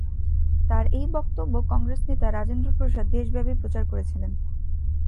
তাঁর এই বক্তব্য কংগ্রেস নেতা রাজেন্দ্র প্রসাদ দেশব্যাপী প্রচার করেছিলেন।